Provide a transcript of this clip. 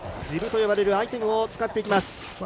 ジブと呼ばれるアイテムを使っていきます。